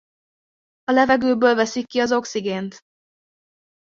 A levegőből veszik ki az oxigént.